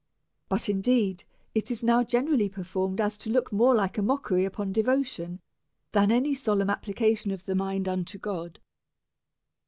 But, indeed, it is now generally so performed, as to look more like a mock ery of devotion than any solemn application of the mind unto God.